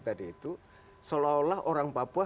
tadi itu seolah olah orang papua